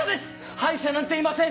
敗者なんていません